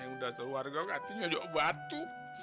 udah keluarga katanya juga bantu